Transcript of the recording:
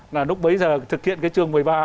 là lúc bấy giờ thực hiện cái chương một mươi ba